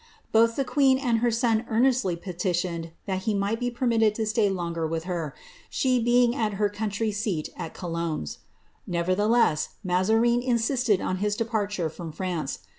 Both the queen and her son earnestly petitioned that he might be permitted to stay longer with her, she being then at her country seat, at Colombes;' nevertheless. Mazarine insisted on his departure from France.